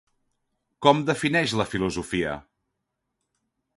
Com defineix la filosofia?